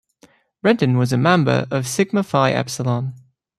Brandon was a member of Sigma Phi Epsilon.